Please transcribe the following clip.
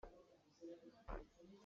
An khua a rawhnak a sau rih lo.